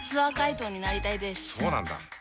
そうなんだ。